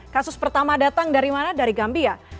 kasus pertama datang dari mana dari gambia